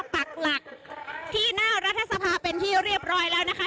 ปักหลักที่หน้ารัฐสภาเป็นที่เรียบร้อยแล้วนะคะ